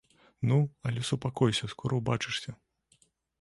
Ну, але супакойся, скора ўбачышся.